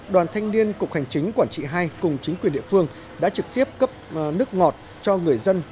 đoàn thanh niên cục hành chính quản trị hai cùng chính quyền địa phương đã trực tiếp cấp nước ngọt cho người dân